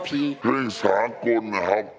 เพลงสากลนะครับ